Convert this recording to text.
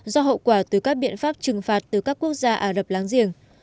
do hậu quả từ các biện pháp trừng phạt từ các quốc gia ả rập láng giềng